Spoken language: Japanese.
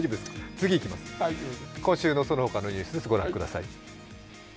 次いきます、今週のそのほかのニュース、ご覧ください。